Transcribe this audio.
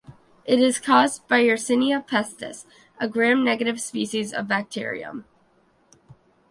It is caused by "Yersinia pestis", a gram-negative species of bacterium.